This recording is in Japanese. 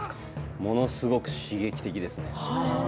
ものすごく刺激的です。